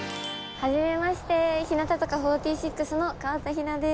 はじめまして日向坂４６の河田陽菜です。